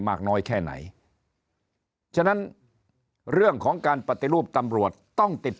มากน้อยแค่ไหนฉะนั้นเรื่องของการปฏิรูปตำรวจต้องติด